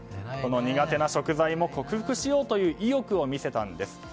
この苦手な食材も克服しようという意欲を見せたんです。